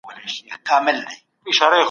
پرته له عدالته سوله امکان نه لري.